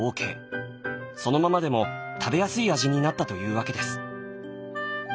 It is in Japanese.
そのままでも食べやすい味になったというわけです。